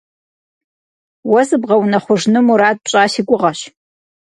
Уэ зыбгъэунэхъужыну мурад пщӏа си гугъэщ.